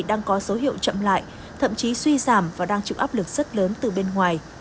đang có dấu hiệu chậm lại thậm chí suy giảm và đang chịu áp lực rất lớn từ bên ngoài